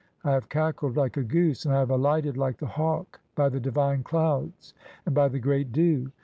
I have cackled "like a goose, and I have alighted like the hawk (4) by the "divine clouds and by the great dew.